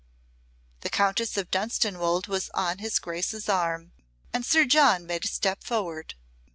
The Countess of Dunstanwolde was on his Grace's arm, and Sir John made a step forward.